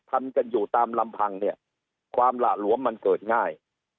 ทำกันอยู่ตามลำพังเนี่ยความหละหลวมมันเกิดง่าย